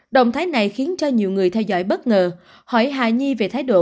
động thái này khiến cho nhiều người theo dõi bất ngờ hỏi hà nhi về thái độ